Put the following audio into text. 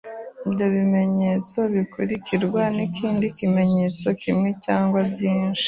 Ibyo bimenyetso bikurikirwa n’ikindi kimenyetso kimwe cyangwa byinshi